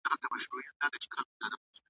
لمر کرار کرار نیژدې سو د غره خواته .